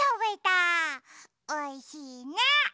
おいしいね。